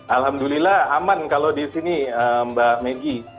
alhamdulillah aman kalau di sini mbak meggy